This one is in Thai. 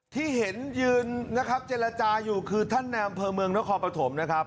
ที่เห็นยืนนะครับเจรจาอยู่คือท่านในอำเภอเมืองนครปฐมนะครับ